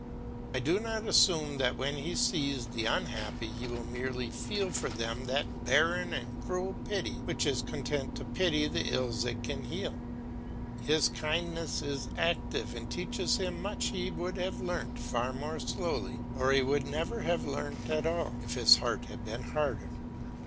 I do not assume that when he sees the unhappy he will merely feel for them that barren and cruel pity which is content to pity the ills it can heal. His kindness is active and teaches him much he would have learnt far more slowly, or he would never have learnt at all, if his heart had been harder.